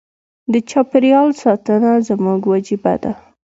د چاپیریال ساتنه زموږ وجیبه ده.